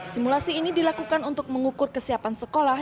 simulasi ini dilakukan untuk mengukur kesiapan sekolah